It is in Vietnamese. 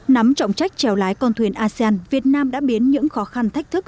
nắm trọng trách trèo lái con thuyền asean việt nam đã biến những khó khăn thách thức